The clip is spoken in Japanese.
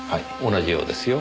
同じようですよ。